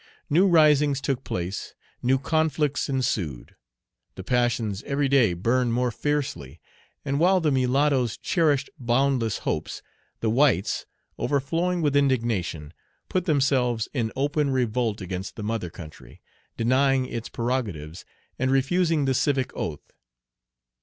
New risings took place, new conflicts ensued. The passions every day burned more fiercely; and while the mulattoes cherished boundless hopes, the whites, overflowing with indignation, put themselves in open revolt against the mother country, denying its prerogatives, and refusing the civic oath.